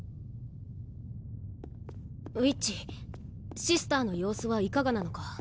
ウィッチシスターの様子はいかがなのか。